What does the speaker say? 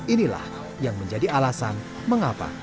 inilah yang menjadi alasan mengapa